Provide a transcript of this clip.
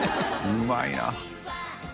うまいな。